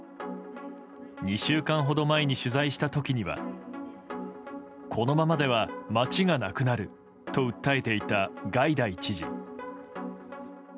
２週間ほど前に取材した時にはこのままでは街がなくなると訴えていたガイダイ知事。